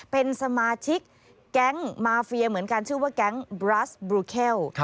เป็นสมาชิกแก๊งมาเฟียเหมือนกันชื่อว่าแก๊งบรัสบลูเคล